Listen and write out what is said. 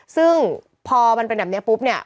ซึ่งพอมันเป็นแบบนี้ปุ๊บเนี่ย